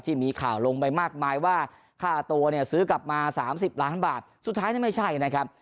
ที่มีข่าวลงไปมากมายว่าค่าตัวเนี่ยซื้อกลับมา๓๐ล้านบาทสุดท้ายนี่ไม่ใช่นะครับ